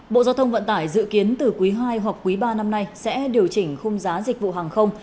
bộ giao thông vận tải dự kiến từ quý ii hoặc quý ba năm nay sẽ điều chỉnh khung giá dịch vụ hàng không